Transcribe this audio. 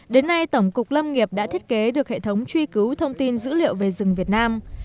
lâm nghiệp đã thiết kế được hệ thống truy cứu thông tin dữ liệu về rừng việt nam